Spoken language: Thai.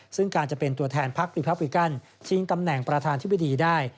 ซึ่งการจะเป็นตัวแทนพักรีพับริกันชิงตำแหน่งประธานธิบดีได้